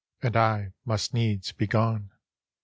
And I must needs be gone."